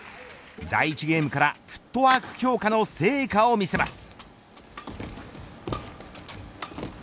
第１ゲームからフットワーク強化の成果を見せます。